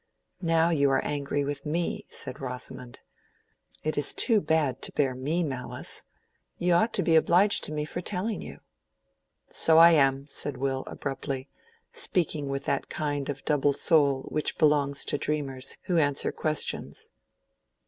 "Now you are angry with me," said Rosamond. "It is too bad to bear me malice. You ought to be obliged to me for telling you." "So I am," said Will, abruptly, speaking with that kind of double soul which belongs to dreamers who answer questions.